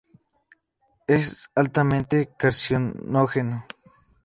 Es altamente carcinógeno.